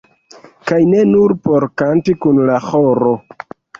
Kaj ne nur por kanti kun la ĥoro.